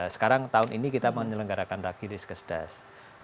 sekarang tahun ini kita menyelenggarakan lagi risk kesehatan dasar